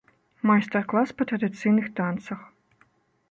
Майстар-клас па традыцыйных танцах.